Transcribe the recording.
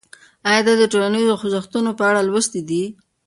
آیا تا د ټولنیزو خوځښتونو په اړه لوستي دي؟